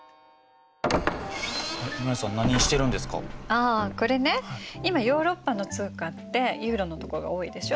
ああこれね今ヨーロッパの通貨ってユーロのとこが多いでしょ。